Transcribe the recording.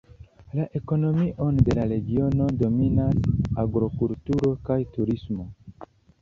La ekonomion de la regiono dominas agrokulturo kaj turismo.